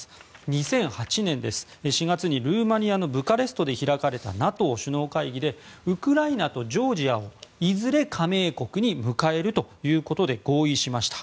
２００８年４月にルーマニアのブカレストで開かれたＮＡＴＯ首脳会議でウクライナとジョージアをいずれ加盟国に迎えるということで合意しました。